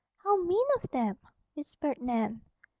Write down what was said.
"How mean of them!" whispered Nan.